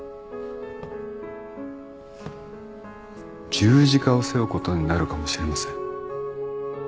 十字架を背負うことになるかもしれません。